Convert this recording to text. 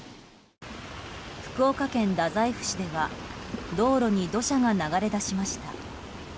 福岡県太宰府市では道路に土砂が流れ出しました。